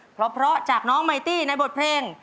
เพราะจากน้องไมตี้ในบทเพลง